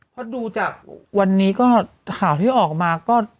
เพราะดูจากวันนี้ก็ข่าวที่ออกมาก็